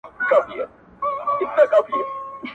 خبري ښې کوي، لکۍ ئې کږې کوي.